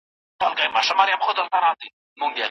دا سل ځله رژېدلی خزانونو آزمېیلی